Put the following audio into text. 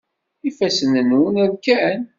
Ifassen-nwen rkan.